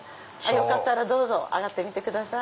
よかったらどうぞ上がってみてください。